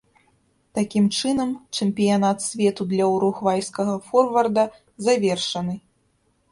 Такім чынам, чэмпіянат свету для уругвайскага форварда завершаны.